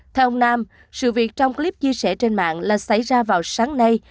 theo ông nam sự việc trong clip chia sẻ trên mạng là xảy ra vào sáng nay